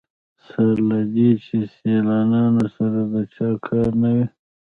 سره له دې چې سیلانیانو سره د چا کار نه وي.